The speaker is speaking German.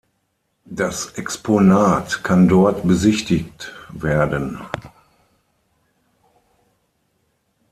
Das Exponat kann dort besichtigt werden.